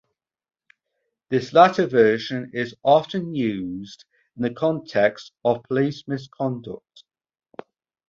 This latter version is often used in the context of police misconduct.